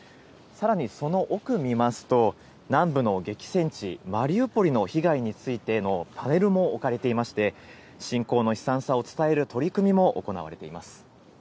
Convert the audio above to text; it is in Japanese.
さらに、その奥見ますと、南部の激戦地、マリウポリの被害についてのパネルも置かれていまして、侵攻の悲惨さを伝える取り組みも行われています。